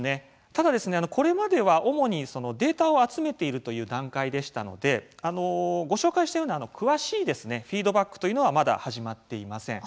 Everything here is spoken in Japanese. ただ、これまでは主にデータを集めているという段階でしたのでご紹介したような詳しいフィードバックというのはまだ始まっていません。